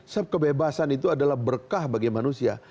sebab kebebasan itu adalah berkah bagi manusia